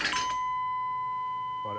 あれ？